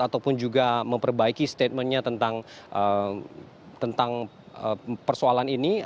ataupun juga memperbaiki statementnya tentang persoalan ini